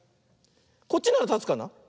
こっちならたつかな。